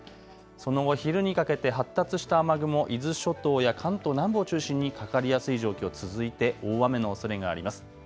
その後、昼にかけて発達した雨雲、伊豆諸島や関東南部を中心にかかりやすい状況続いて大雨のおそれがあります。